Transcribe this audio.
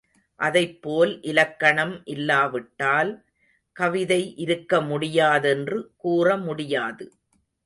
அதைப் போல் இலக்கணம் இல்லாவிட்டால், கவிதை இருக்க முடியாதென்று கூற முடியாது.